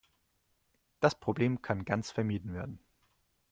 Das Problem kann ganz vermieden werden.